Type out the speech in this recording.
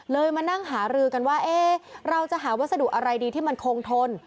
มานั่งหารือกันว่าเราจะหาวัสดุอะไรดีที่มันคงทน